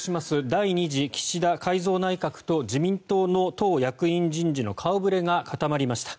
第２次岸田改造内閣と自民党の党役員人事の顔触れが固まりました。